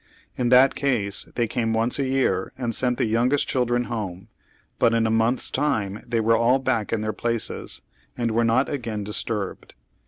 In that case they came once a year and sent the youngest children home ; but in a month's time they were all back in their places, and were not again dis turbed.